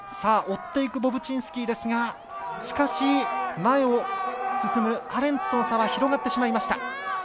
追っていくボブチンスキーですがしかし前を進むアレンツとの差は広がってしまいました。